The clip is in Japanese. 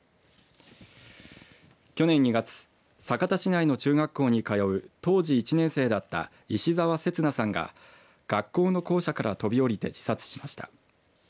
去年２月酒田市内の中学校に通う当時１年生だった石澤準奈さんが学校の校舎から飛び下りて自殺しました。